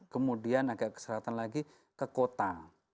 kemudian agak ke selatan lagi ke kota